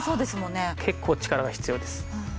結構力が必要です。